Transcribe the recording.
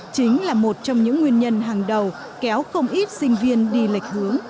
chính là một trong những nguyên nhân hàng đầu kéo không ít sinh viên đi lệch hướng